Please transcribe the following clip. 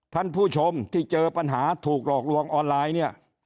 ท่านผู้ชมที่เจอปัญหาถูกหลอกลวงออนไลน์เนี่ย